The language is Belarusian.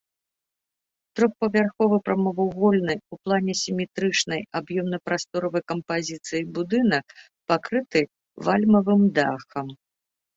Трохпавярховы прамавугольны ў плане сіметрычнай аб'ёмна-прасторавай кампазіцыі будынак пакрыты вальмавым дахам.